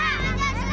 selamat siang siapa ya